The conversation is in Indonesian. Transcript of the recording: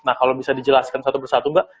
nah kalau bisa dijelaskan satu persatu mbak